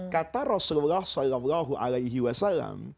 kata rasulullah saw